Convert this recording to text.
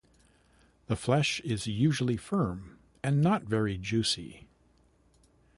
The flesh is usually firm and not very juicy.